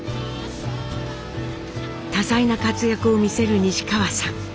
多彩な活躍を見せる西川さん。